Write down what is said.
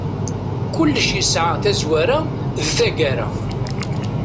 Kullec yesɛa tazwara d taggara.